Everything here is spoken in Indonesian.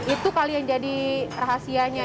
itu kali yang jadi rahasianya